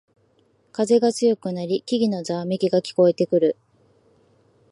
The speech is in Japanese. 風が強くなり木々のざわめきが聞こえてくる